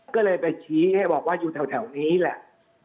ก็เลยไปชี้ให้บอกว่าอยู่แถวนี้แหละ